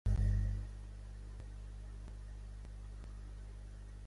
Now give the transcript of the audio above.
El nom Burbank és d'origen anglès i significa "que viu al turó del castell".